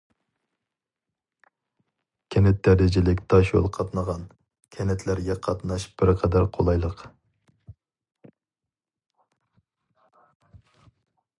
كەنت دەرىجىلىك تاشيول قاتنىغان، كەنتلەرگە قاتناش بىر قەدەر قولايلىق.